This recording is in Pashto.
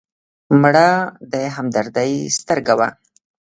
مړه د همدردۍ سترګه وه